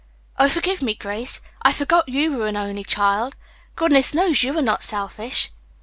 Oh, forgive me, Grace; I forgot you were an 'only child.' Goodness knows you are not selfish."